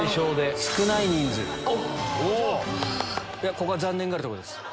ここは残念がるとこです。